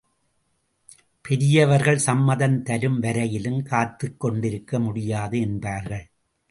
பெரியவர்கள் சம்மதம் தரும் வரையிலும் காத்துக்கொண்டிருக்க முடியாது என்பார்கள்.